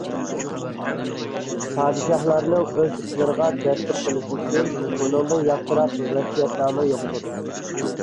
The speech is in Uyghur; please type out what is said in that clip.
پادىشاھلارنىڭ ئۆز ئىشىلىرىغا دەستۇر قىلىشى ئۈچۈن بۇنىڭدىن ياخشىراق ۋەسىيەتنامە يوقتۇر.